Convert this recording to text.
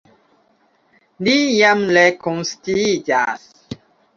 li jam rekonsciiĝas.